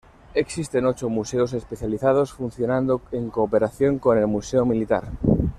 Existen ocho museos especializados funcionando en cooperación con el Museo Militar.